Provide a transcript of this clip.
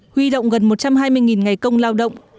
huy động gần một trăm hai mươi ngày công lao động